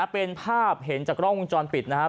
เป็นภาพเห็นจากกล้องวงจรปิดนะครับ